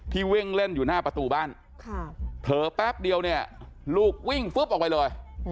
วิ่งเล่นอยู่หน้าประตูบ้านเผลอแป๊บเดียวเนี่ยลูกวิ่งฟึ๊บออกไปเลย